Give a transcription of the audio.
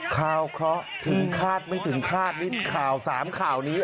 คราวเค้าถึงคาดไม่ถึงคาดนิดข่าว๓ข่าวนี้